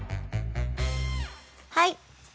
はい。